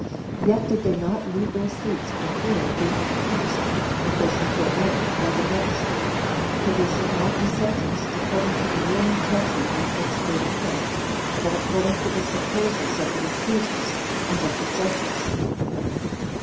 Yet did they not leave their seats, for fear of being accused, if they should go out before the rest; for they should not be sentenced according to the real intention with which they went out, but according to the supposals of the accusers and of the judges.